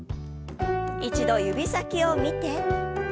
一度指先を見て。